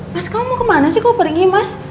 mas kamu mau kemana sih kukoperingin mas